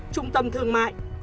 trung tâm thương mại